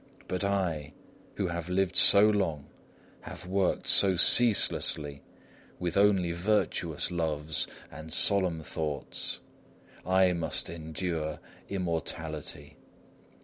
But I, who have lived so long, have worked so ceaselessly, with only virtuous loves and solemn thoughts, I must endure immortality.